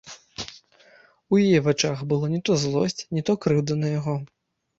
У яе вачах была не то злосць, не то крыўда на яго.